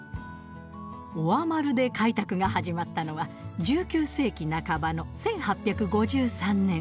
オアマルで開拓が始まったのは１９世紀半ばの１８５３年。